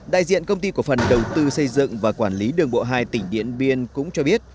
đại diện công ty cổ phần đầu tư xây dựng và quản lý đường bộ hai tỉnh điện biên cũng cho biết